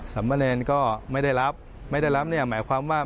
สำมะเนรก็ไม่ได้รับไม่ได้รับเนี่ยหมายความว่า